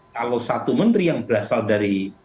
kalau satu menteri yang berasal dari